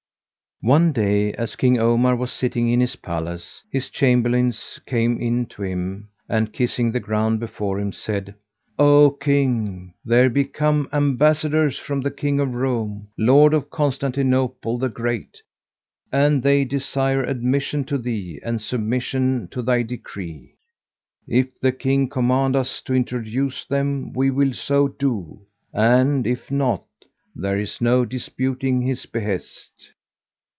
One day, as King Omar was sitting in his palace, his Chamberlains came in to him and, kissing the ground before him, said, "O King there be come Ambassadors from the King of Roum, Lord of Constantinople the Great, and they desire admission to thee and submission to thy decree: if the King command us to introduce them we will so do; and, if not, there is no disputing his behest."